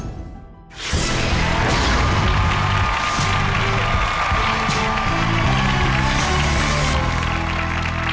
ที่